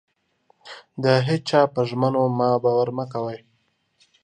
د هيچا په ژمنو مه باور مه کوئ.